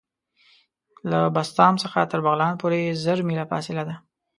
له بسطام څخه تر بغلان پوري زر میله فاصله ده.